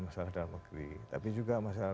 masalah dalam negeri tapi juga masalah